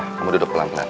ayo kamu duduk pelan pelan